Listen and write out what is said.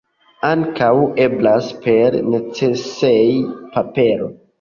Ankaŭ eblas per necesejpapero!